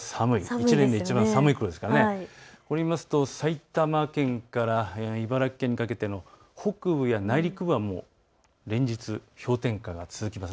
１年でいちばん寒いころですからね。というと埼玉県から茨城県にかけての北部や内陸部はもう連日、氷点下が続きます。